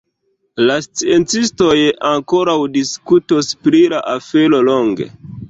La sciencistoj ankoraŭ diskutos pri la afero longe.